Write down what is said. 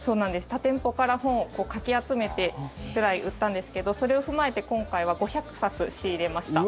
他店舗から本をかき集めてってぐらい売ったんですけどそれを踏まえて今回は５００冊仕入れました。